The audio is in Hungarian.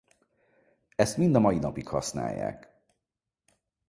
Ezt mind a mai napig használják.